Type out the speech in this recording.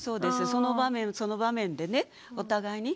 その場面その場面でねお互いに。